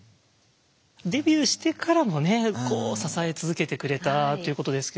デビューしてからもね支え続けてくれたっていうことですけど。